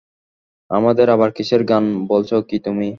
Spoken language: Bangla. আমাদের আবার কিসের গান বলছ কি তুমি?